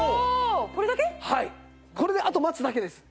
これであと待つだけです。